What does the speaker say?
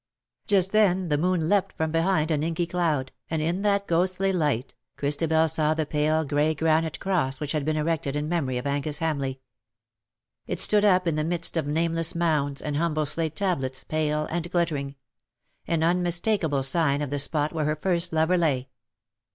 Just then the moon leapt from behind an inky cloud, and, in that ghostly light, Christabel saw the pale grey granite cross which had been erected in memory of Angus Hamleigh. It stood up in the midst of nameless mounds, and humble slate tablets, pale and glittering — an unmistakable sign of the spot where her first lover lay.